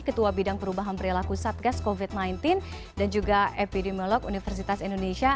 ketua bidang perubahan perilaku satgas covid sembilan belas dan juga epidemiolog universitas indonesia